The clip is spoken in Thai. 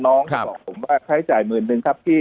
เขาบอกผมว่าใช้จ่ายหมื่นนึงครับพี่